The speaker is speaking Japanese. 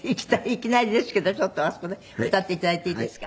いきなりですけどちょっとあそこで歌って頂いていいですか？